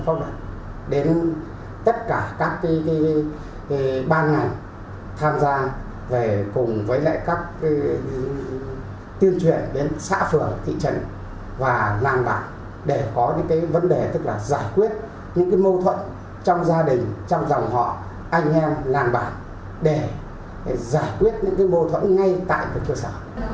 tuyên truyền phổ biến giáo dục phong đoạn đến tất cả các ban ngành tham gia cùng với các tuyên truyền đến xã phường thị trấn và làng bản để có những vấn đề giải quyết những mâu thuẫn trong gia đình trong dòng họ anh em làng bản để giải quyết những mâu thuẫn ngay tại cơ sở